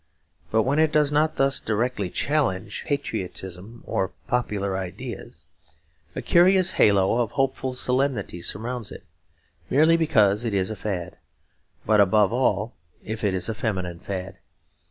But when it does not thus directly challenge patriotism or popular ideas, a curious halo of hopeful solemnity surrounds it, merely because it is a fad, but above all if it is a feminine fad.